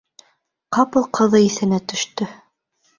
Ҡапыл ҡыҙы иҫенә төштө.